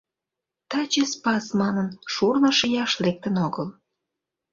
Таче, Спас манын, шурно шияш лектын огыл.